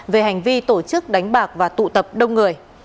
về hành vi tổ chức đánh bạc và tụ tập đông người